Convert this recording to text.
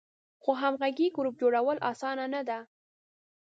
خو همغږی ګروپ جوړول آسانه نه ده.